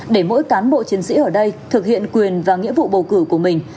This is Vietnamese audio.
để mỗi cán bộ chiến sĩ ở đây thực hiện quyền và nghĩa vụ bầu cử của mình